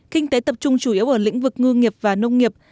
kinh tế tập trung chủ yếu ở lĩnh vực ngư nghiệp và nông nghiệp